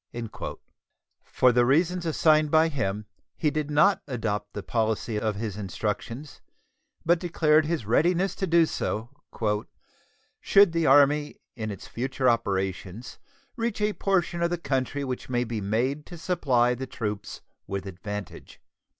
For the reasons assigned by him, he did not adopt the policy of his instructions, but declared his readiness to do so "should the Army in its future operations reach a portion of the country which may be made to supply the troops with advantage."